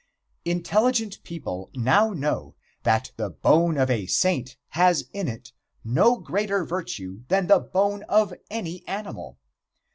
Intelligent people now know that the bone of a saint has in it no greater virtue than the bone of any animal.